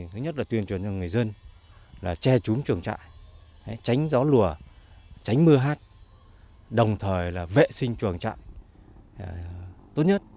thứ nhất là tuyên truyền cho người dân là che trúng trường trạng tránh gió lùa tránh mưa hát đồng thời là vệ sinh trường trạng tốt nhất